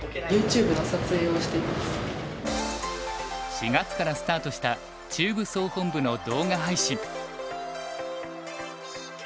４月からスタートした中部総本部の動画配信。